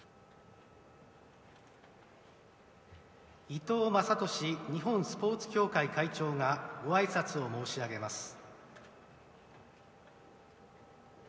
伊藤雅俊日本スポーツ協会会長がご挨拶を申し上げます。